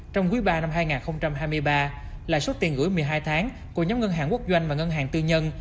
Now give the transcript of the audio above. trong quý ba năm hai nghìn hai mươi ba lãi suất tiền gửi một mươi hai tháng của nhóm ngân hàng quốc doanh và ngân hàng tư nhân